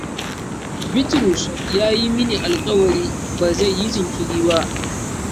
Bitrusu ya yi mini alkawarin ba zai yi jinkiri ba.